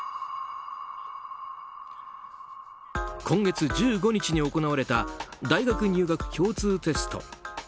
今月１５日に行われた大学入学共通テスト。